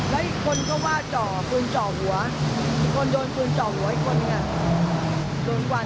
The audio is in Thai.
แล้วอีกคนก็ว่าจ่อคุณจ่อหัวอีกคนโดนคุณจ่อหัวอีกคนโดนกวัน